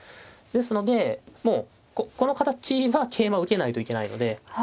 ですのでもうこの形は桂馬受けないといけないので。